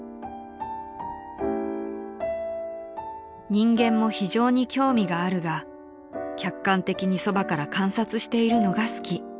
［「人間も非常に興味があるが客観的にそばから観察しているのが好き」］